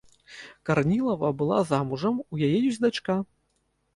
Карнілава была замужам, у яе ёсць дачка.